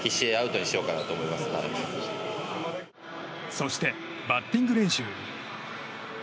そして、バッティング練習。